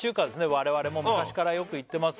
我々も昔からよく行ってます